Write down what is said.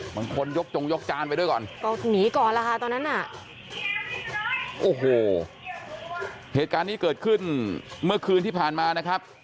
บางคนยกจงยกจานไปด้วยก่อนตอนนั้นอ่ะโอ้โหเหตุการณ์ที่เกิดขึ้นเมื่อคืนที่ผ่านมานะครับ